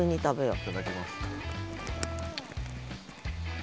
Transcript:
いただきます。